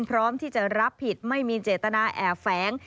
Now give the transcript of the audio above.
พร้อมที่จะรับผิดไม่มีเจตนาแอบแฝง